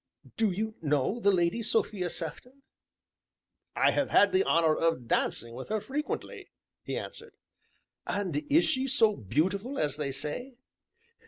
"Do you know the Lady Sophia Sefton?" "I have had the honor of dancing with her frequently," he answered. "And is she so beautiful as they say?"